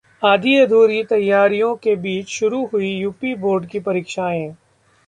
आधी-अधूरी तैयारियों के बीच शुरू हुईं यूपी बोर्ड की परीक्षाएं